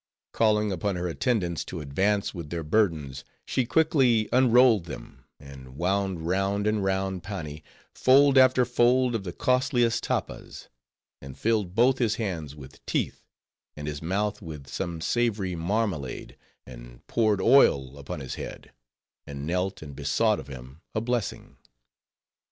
Calling upon her attendants to advance with their burdens, she quickly unrolled them; and wound round and round Pani, fold after fold of the costliest tappas; and filled both his hands with teeth; and his mouth with some savory marmalade; and poured oil upon his head; and knelt and besought of him a blessing.